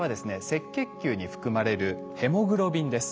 赤血球に含まれるヘモグロビンです。